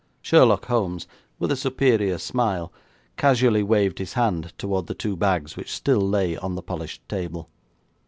Sherlock Holmes, with a superior smile, casually waved his hand toward the two bags which still lay on the polished table.